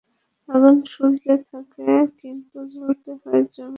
আগুন সূর্যে থাকে, কিন্তু জ্বলতে হয় জমিনকে।